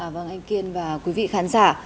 vâng anh kiên và quý vị khán giả